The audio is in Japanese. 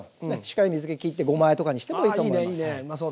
しっかり水けきってごまあえとかにしてもいいと思います。